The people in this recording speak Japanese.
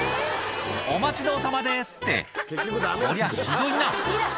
お待ちどおさまですって、こりゃ、ひどいな。